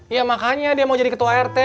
ya makanya dia mau jadi ketua rt